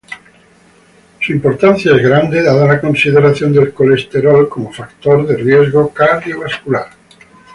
Su importancia es grande, dada la consideración del colesterol como factor de riesgo cardiovascular.